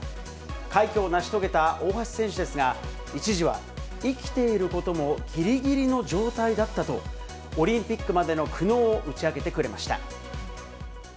快挙を成し遂げた大橋選手ですが、一時は生きていることもぎりぎりの状態だったと、オリンピックまでの苦悩を打ち明けてくれました。